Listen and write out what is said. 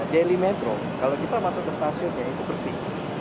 daily metro kalau kita masuk ke stasiunnya itu bersih